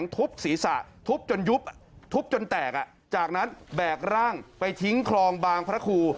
ทุบจนยุบทุบจนแตกจากนั้นแบกร่างไปทิ้งคลองบางพระคู่